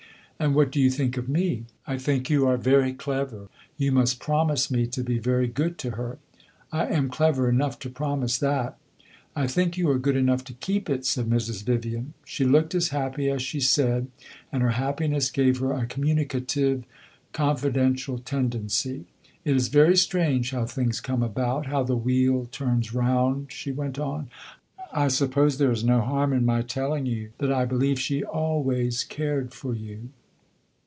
"And what do you think of me?" "I think you are very clever. You must promise me to be very good to her." "I am clever enough to promise that." "I think you are good enough to keep it," said Mrs. Vivian. She looked as happy as she said, and her happiness gave her a communicative, confidential tendency. "It is very strange how things come about how the wheel turns round," she went on. "I suppose there is no harm in my telling you that I believe she always cared for you."